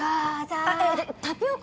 あっタピオカ？